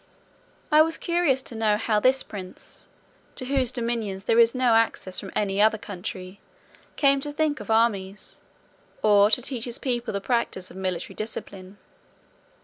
I was curious to know how this prince, to whose dominions there is no access from any other country, came to think of armies, or to teach his people the practice of military discipline.